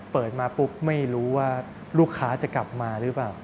เปิดมาปุ๊บไม่รู้ว่าลูกค้าจะกลับมาหรือเปล่า